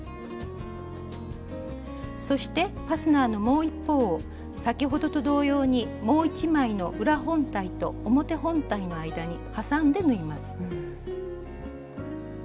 そしてファスナーのもう一方を先ほどと同様にもう一枚の裏本体と表本体の間にはさんで縫います。